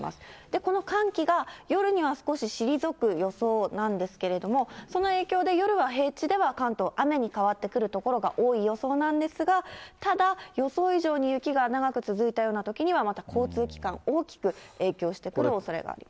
この寒気が夜には少し退く予想なんですけれども、その影響で夜は平地では関東、雨に変わってくる所が多い予想なんですが、ただ予想以上に雪が長く続いたようなときには、また交通機関、大きく影響してくるおそれがあります。